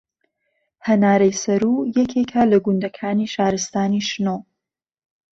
هەنارەی سەروو یەکێکە لە گوندەکانی شارستانی شنۆ